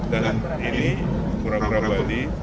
dan ini kura kura bali